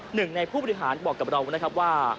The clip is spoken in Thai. หนึ่งในผู้บริหารบอกกับเรานะครับว่า